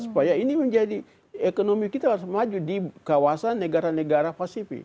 supaya ini menjadi ekonomi kita harus maju di kawasan negara negara pasifik